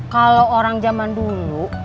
kalau orang zaman dulu